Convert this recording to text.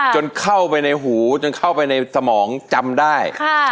จนเข้าไปในหูจนเข้าไปในสมองจำได้